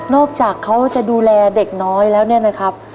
จากเขาจะดูแลเด็กน้อยแล้วเนี่ยนะครับ